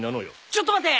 ちょっと待て。